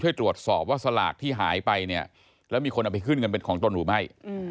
ตรวจสอบว่าสลากที่หายไปเนี่ยแล้วมีคนเอาไปขึ้นเงินเป็นของตนหรือไม่